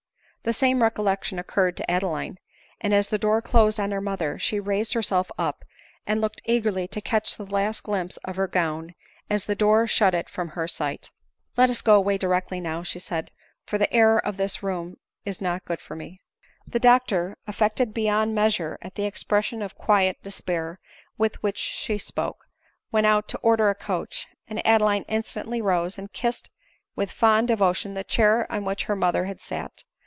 The same recollection occurred to Adeline ; and, as the door closed on her mother, she raised herself up, and looked eagerly to catch the last glimpse of her gown, as the door shut it from her sight. " Let us go away di rectly now," said she, " for the air of this room is not good for me." The doctor, affected beyond measure at the expression of quiet despair with which she spoke, went out to order a coach; and Adeline instantly rose, and kissed with fond devotion the chair on which her mother had sat.